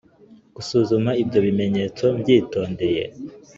Gusuzuma ibyo bimenyetso mbyitondeye